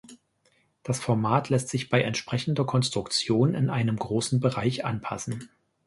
Das Format lässt sich bei entsprechender Konstruktion in einem großen Bereich anpassen.